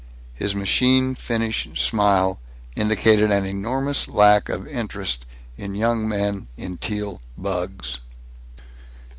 His machine finish smile indicated an enormous lack of interest in young men in Teal bugs.